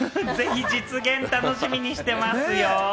実現、楽しみにしてますよ。